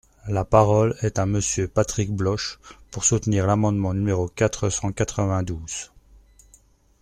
La parole est à Monsieur Patrick Bloche, pour soutenir l’amendement numéro quatre cent quatre-vingt-douze.